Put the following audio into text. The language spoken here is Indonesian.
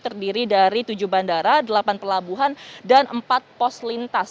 terdiri dari tujuh bandara delapan pelabuhan dan empat pos lintas